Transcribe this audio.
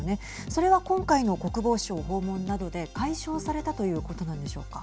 それは、今回の国防相訪問などで解消されたということなんでしょうか。